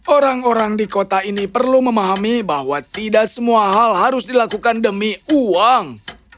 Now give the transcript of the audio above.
orang orang di kota ini perlu memahami bahwa tidak semua hal harus dilakukan demi uang